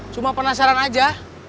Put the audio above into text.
cuma penasaran aja